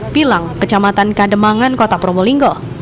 pilang kecamatan kademangan kota probolinggo